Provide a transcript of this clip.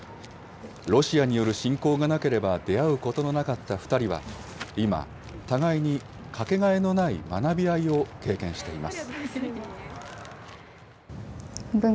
ロシアによる侵攻がなければ出会うことのなかった２人は今、互いに掛けがえのない学び合いを経験しています。